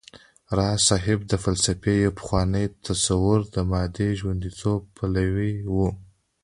راز صيب د فلسفې د يو پخواني تصور د مادې ژونديتوب پلوی و